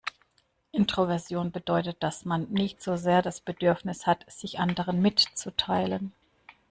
Introversion bedeutet, dass man nicht so sehr das Bedürfnis hat, sich anderen mitzuteilen.